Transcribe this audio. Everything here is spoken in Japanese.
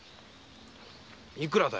いくらだ。